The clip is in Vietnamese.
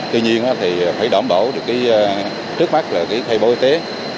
tuy nhiên phải đảm bảo được trước mắt là thay bố y tế